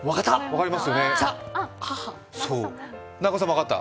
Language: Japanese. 分かった！